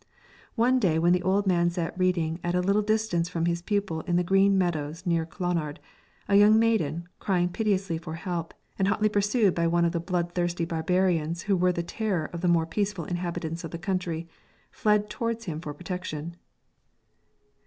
One day when the old man sat reading at a little distance from his pupil in the green meadows near Clonard, a young maiden, crying piteously for help, and hotly pursued by one of the bloodthirsty barbarians who were the terror of the more peaceful inhabitants of the country, fled towards him for protection.